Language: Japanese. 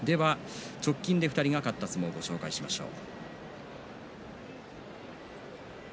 直近で２人が勝った相撲をご紹介しましょう。